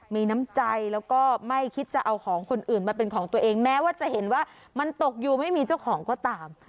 มีน้ำใจแล้วก็ไม่คิดจะเอาของคนอื่นมาเป็นของตัวเองแม้ว่าจะเห็นว่ามันตกอยู่ไม่มีเจ้าของก็ตาม